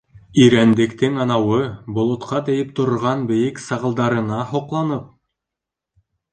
Ирәндектең анауы болотҡа тейеп торған бейек сағылдарына һоҡланып: